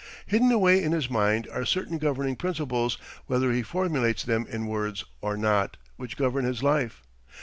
Hidden away in his mind are certain governing principles, whether he formulates them in words or not, which govern his life.